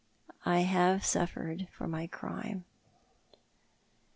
I have suffered for my crime."